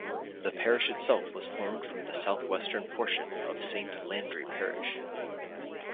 The parish itself was formed from the southwestern portion of Saint Landry Parish.